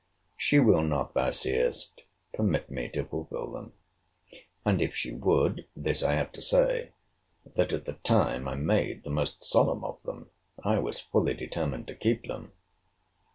She will not, thou seest, permit me to fulfil them. And if she would, this I have to say, that, at the time I made the most solemn of them, I was fully determined to keep them.